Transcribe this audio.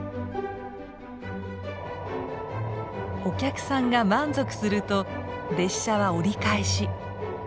お客さんが満足すると列車は折り返し。